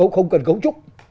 không cần cấu trúc